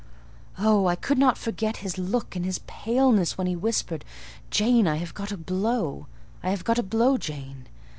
Oh! I could not forget his look and his paleness when he whispered: "Jane, I have got a blow—I have got a blow, Jane."